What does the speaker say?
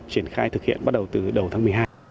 triển khai thực hiện bắt đầu từ đầu tháng một mươi hai